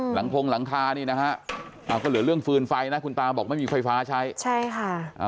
หลังคงหลังคานี่นะฮะอ่าก็เหลือเรื่องฟืนไฟนะคุณตาบอกไม่มีไฟฟ้าใช้ใช่ค่ะอ่า